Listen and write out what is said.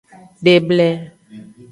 Deble.